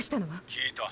聞いた。